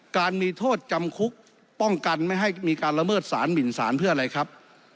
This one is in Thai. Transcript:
การมีโทษจำคุกป้องกันไม่ให้มีการละเมิดสารหมินสารเพื่ออะไรครับ